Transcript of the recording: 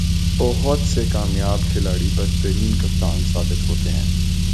بہت سے کامیاب کھلاڑی بدترین کپتان ثابت ہوئے ہیں۔